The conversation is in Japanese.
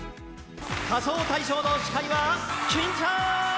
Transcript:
仮装大賞の司会は欽ちゃーん！